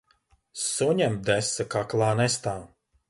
Suņam desa kaklā nestāv.